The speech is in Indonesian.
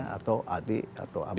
atau adik atau abangnya